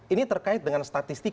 ini terkait dengan statistik